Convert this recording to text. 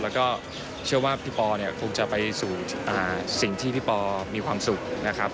แล้วก็เชื่อว่าพี่ปอเนี่ยคงจะไปสู่สิ่งที่พี่ปอมีความสุขนะครับ